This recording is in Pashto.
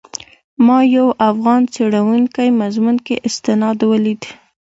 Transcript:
ما یو افغان څېړونکي مضمون کې استناد ولید.